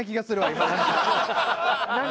今。